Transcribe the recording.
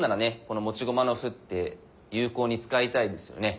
この持ち駒の歩って有効に使いたいですよね。